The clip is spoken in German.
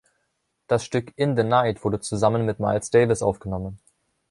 Das Stück "In the Night" wurde zusammen mit Miles Davis aufgenommen.